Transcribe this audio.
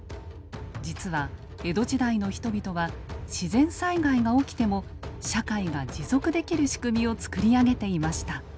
実は江戸時代の人々は自然災害が起きても社会が持続できる仕組みを作り上げていました。